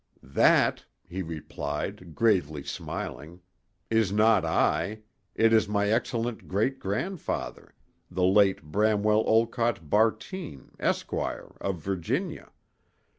"That," he replied, gravely smiling, "is not I; it is my excellent great grandfather, the late Bramwell Olcott Bartine, Esquire, of Virginia.